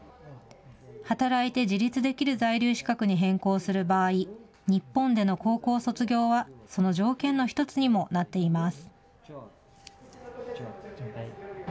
働いて自立できる在留資格に変更する場合、日本での高校卒業はその条件の１つにもなっています。